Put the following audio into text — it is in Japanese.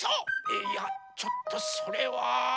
えっいやちょっとそれは。